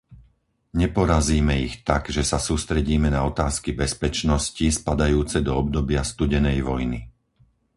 Neporazíme ich tak, že sa sústredíme na otázky bezpečnosti spadajúce do obdobia studenej vojny.